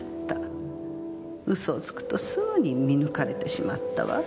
嘘をつくとすぐに見抜かれてしまったわ。